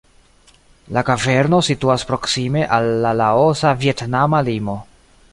La kaverno situas proksime al la Laosa-Vjetnama limo.